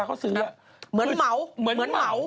เหมือนเหมา